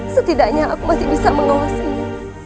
setidaknya aku masih bisa mengawas ini